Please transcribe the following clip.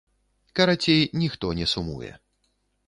Карацей, ніхто не сумуе.